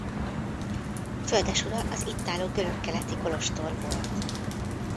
Földesura az itt álló görögkeleti kolostor volt.